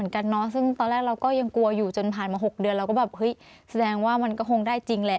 กลัวอยู่จนผ่านมา๖เดือนเราก็แบบเฮ้ยแสดงว่ามันก็คงได้จริงแหละ